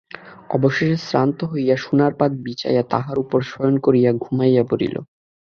অবশেষে শ্রান্ত হইয়া সোনার পাত বিছাইয়া তাহার উপর শয়ন করিয়া ঘুমাইয়া পড়িল।